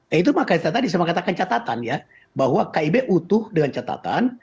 eh itu makanya saya katakan catatan ya bahwa kib utuh dengan catatan